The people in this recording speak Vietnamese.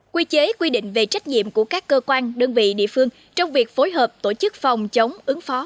quy chế quy định về trách nhiệm của các cơ quan đơn vị địa phương trong việc phối hợp tổ chức phòng chống ứng phó